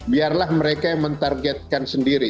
biarlah mereka yang mentargetkan sendiri